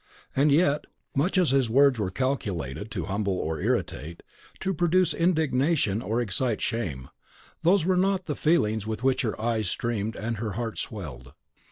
And yet, much as his words were calculated to humble or irritate, to produce indignation or excite shame, those were not the feelings with which her eyes streamed and her heart swelled.